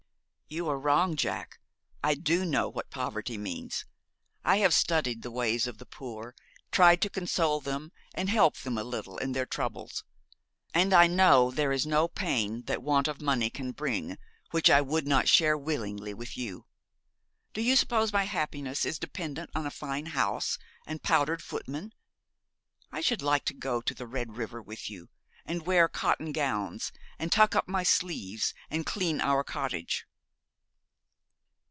'You are wrong, Jack. I do know what poverty means. I have studied the ways of the poor, tried to console them, and help them a little in their troubles; and I know there is no pain that want of money can bring which I would not share willingly with you. Do you suppose my happiness is dependent on a fine house and powdered footmen? I should like to go to the Red River with you, and wear cotton gowns, and tuck up my sleeves and clean our cottage.'